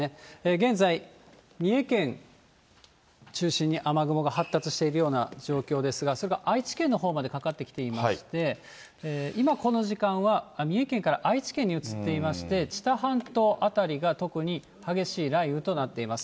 現在、三重県中心に雨雲が発達しているような状況ですが、それが愛知県のほうまでかかってきていまして、今この時間は三重県から愛知県に移っていまして、知多半島辺りが特に激しい雷雨となっています。